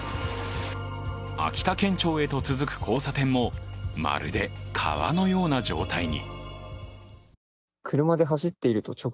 秋田県庁へと続く交差点も、まるで川のような状態に。